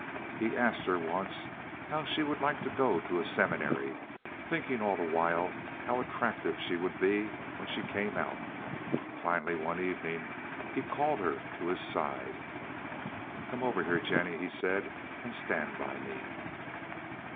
He asked her once how she would like to go to a seminary, thinking all the while how attractive she would be when she came out. Finally, one evening, he called her to his side. "Come over here, Jennie," he said, "and stand by me."